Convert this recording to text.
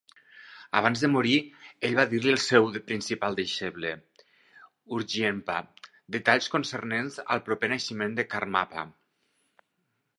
Abans de morir, ell va dir-li al seu principal deixeble, Urgyenpa, detalls concernents al proper naixement de Karmapa.